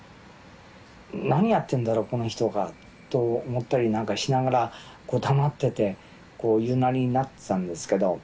何やってるんだろう、この人はって思ったりなんかしながら、黙ってて、言いなりになってたんですけど。